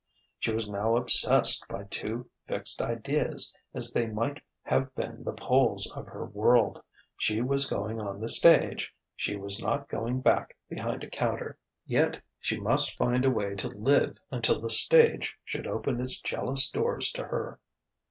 She was now obsessed by two fixed ideas, as they might have been the poles of her world: she was going on the stage; she was not going back behind a counter. Yet she must find a way to live until the stage should open its jealous doors to her....